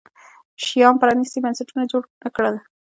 شیام پرانیستي بنسټونه جوړ نه کړل.